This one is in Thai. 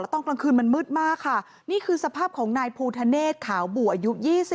ตอนกลางคืนมันมืดมากค่ะนี่คือสภาพของนายภูทะเนศขาวบู่อายุ๒๓